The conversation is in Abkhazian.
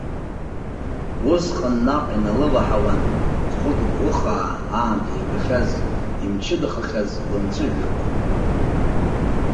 Усҟан наҟ иналываҳауан, зхәы кыдӷәыхаа аамҭа иагахьаз, имчыдахахьаз лымҵәыжәҩақәа.